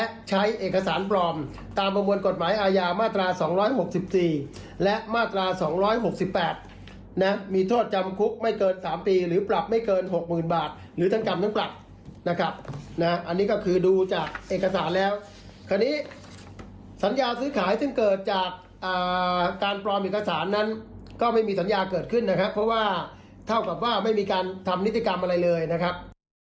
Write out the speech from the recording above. เอกสารแล้วสัญญาซื้อขายซึ่งเกิดจากการปลอมเอกสารนั้นก็ไม่มีสัญญาเกิดขึ้นนะครับเพราะว่าเท่ากับว่าไม่มีการทำนิติกรรมอะไรเลยนะครับ